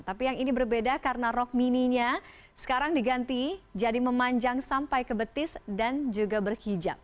tapi yang ini berbeda karena rok mininya sekarang diganti jadi memanjang sampai kebetis dan juga berhijab